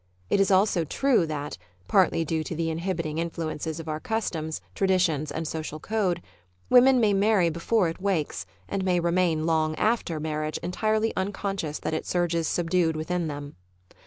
It is also true that (partly due to the inhibiting influences of our customs, traditions and social codel women may marry before it wakes, and may remain long after marriage entirely unconscious that it surges subdued within them.